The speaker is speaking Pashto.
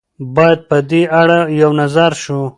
باید په دې اړه یو نظر شو.